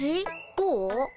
どう？